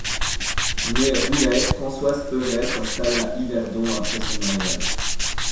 Née Roulet, Françoise Perret s'installe à Yverdon après son mariage.